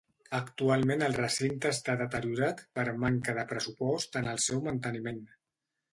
Actualment el recinte està deteriorat per manca de pressupost en el manteniment.